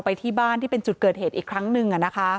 ไปที่บ้านที่เป็นจุดเกิดเหตุอีกครั้งหนึ่ง